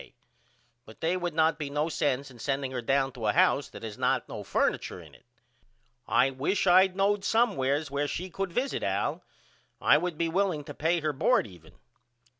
K. But they would not be no sense in sending her down to a house that has not no furniture in it. I wish I knowed somewheres where she could visit Al. I would be willing to pay her bord even.